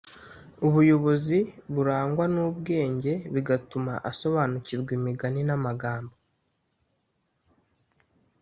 ubuyobozi burangwa n ubwenge bigatuma asobanukirwa imigani n amagambo